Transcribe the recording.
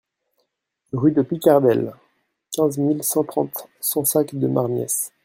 Rue de Picardel, quinze mille cent trente Sansac-de-Marmiesse